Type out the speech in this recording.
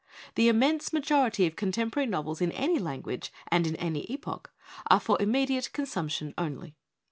The immense ma jority of contemporary novels in any language and in any epoch are for immediate consumption only.